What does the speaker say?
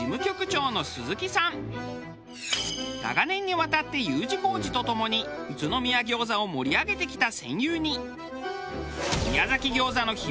長年にわたってＵ字工事とともに宇都宮餃子を盛り上げてきた戦友に。